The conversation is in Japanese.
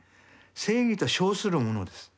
正義と称するものです。